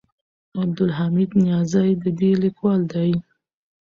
عبدالحمید نیازی د دې لیکوال دی.